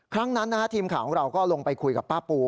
ครั้งนั้นทีมข่าวของเราก็ลงไปคุยกับป้าปู